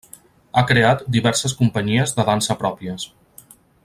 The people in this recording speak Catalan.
Ha creat diverses companyies de dansa pròpies.